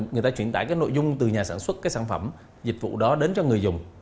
người ta truyền đải nội dung từ nhà sản xuất sản phẩm dịch vụ đó đến cho người dùng